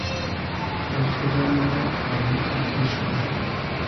تېر شودۂ مۉرۂ اموتئر کی شودۂ